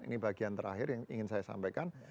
ini bagian terakhir yang ingin saya sampaikan